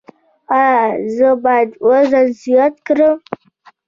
ایا زه باید وزن زیات کړم؟